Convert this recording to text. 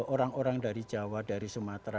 orang orang dari jawa dari sumatera